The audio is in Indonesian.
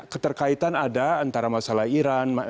keterkaitan ada antara masalah iran